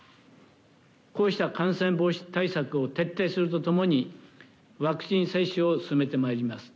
こうした感染防止対策を徹底すると共にワクチン接種を進めてまいります。